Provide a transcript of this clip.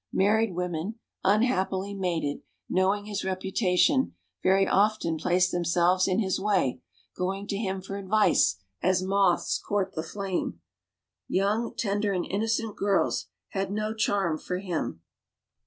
Married women, unhappily mated, knowing his reputation, very often placed themselves in his way, going to him for advice, as moths court the flame. Young, tender and innocent girls had no charm for him."